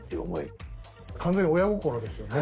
完全に親心ですよね。